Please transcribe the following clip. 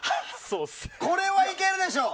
これはいけるでしょう！